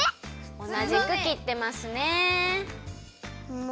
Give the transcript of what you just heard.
おなじく切ってますね！